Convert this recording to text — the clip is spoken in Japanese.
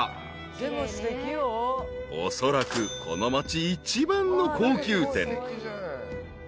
［おそらくこの町一番の高級店］